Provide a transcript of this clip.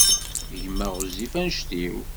Gma ɣezzif anect-iw.